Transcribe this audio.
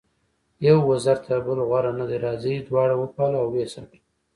یو وزر تر بل غوره نه دی، راځئ دواړه وپالو او ویې ساتو.